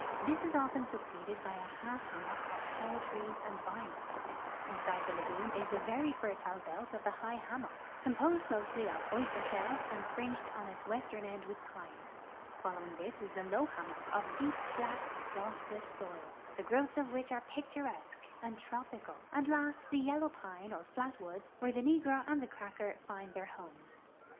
This is often succeeded h\'' a half hammock of tall trc(;s and vines. Inside the lagoon is the very fertile l)clt of the high liaminock, 386 GEOGRAPHY OF THE SOUTHERN PENINSULA composed mostly of oyster shells and fringed on its western end with pine. Following this is the low hammock of deep, black, exhaustless soil, the growths of which are picturesque and trop ical, and last the yellow pine or flat woods where the negro and the cracker find their liomes.